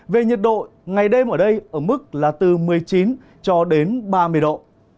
về nhiệt độ ngày đêm ở đây ở mức là từ một mươi chín ba mươi độ